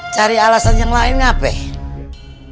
cari alasan yang lain apa ya